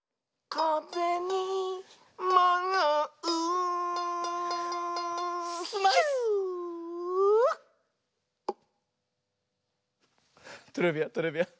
かぜにまうヒュートレビアントレビアン。